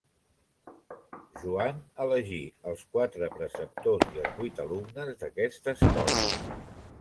Joan elegí els quatre preceptors i els vuit alumnes d'aquesta escola.